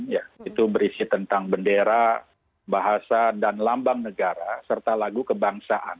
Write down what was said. ya itu berisi tentang bendera bahasa dan lambang negara serta lagu kebangsaan